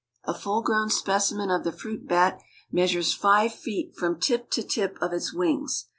A full grown specimen of the fruit bat measures five feet from tip to tip of its wings.